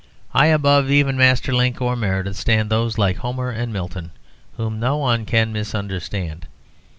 High above even Maeterlinck or Meredith stand those, like Homer and Milton, whom no one can misunderstand.